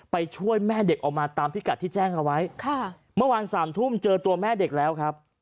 ช่วยแม่เด็กออกมาตามพิกัดที่แจ้งเอาไว้ค่ะเมื่อวานสามทุ่มเจอตัวแม่เด็กแล้วครับ